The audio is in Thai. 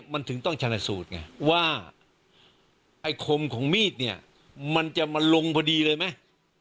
มันถึงต้องชนะสูตรไงว่าไอ้คมของมีดเนี่ยมันจะมาลงพอดีเลยไหม